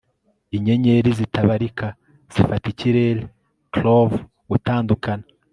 Inyenyeri zitabarika zifata ikirere clove gutandukana